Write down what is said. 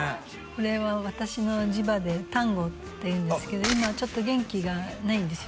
これは私の自馬でタンゴっていうんですけど今はちょっと元気がないんですよ